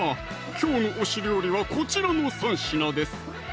きょうの推し料理はこちらの３品です